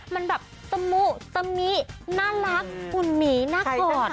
มันแบบตะมุตะมิน่ารักอุ่นหมีน่ากอด